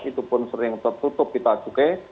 itu pun sering tertutup di tajukai